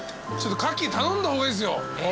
ちょっと牡蠣頼んだ方がいいですよ。